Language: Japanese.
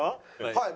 はい。